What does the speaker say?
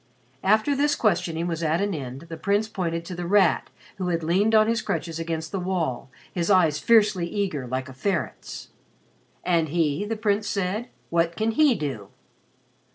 After this questioning was at an end the Prince pointed to The Rat who had leaned on his crutches against the wall, his eyes fiercely eager like a ferret's. "And he?" the Prince said. "What can he do?"